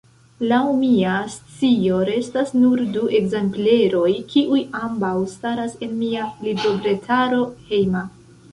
Laŭ mia scio restas nur du ekzempleroj, kiuj ambaŭ staras en mia librobretaro hejma.